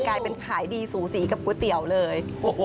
กลายเป็นขายดีสูสีกับก๋วยเตี๋ยวเลย